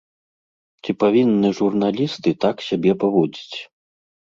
Ці павінны журналісты так сябе паводзіць?